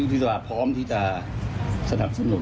ก็มีผู้หลักผู้ใหญ่ที่จะคุยด้วย